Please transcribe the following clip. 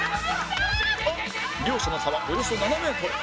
両者の差はおよそ７メートル